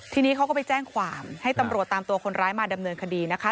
ทีนี้เขาก็ไปแจ้งความให้ตำรวจตามตัวคนร้ายมาดำเนินคดีนะคะ